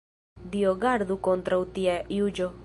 Dio gardu kontraŭ tia juĝo.